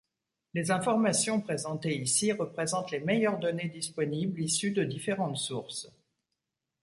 Les informations présentées ici représentent les meilleures données disponibles issue de différentes sources.